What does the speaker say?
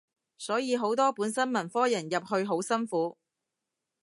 所以好多本身文科人入去好辛苦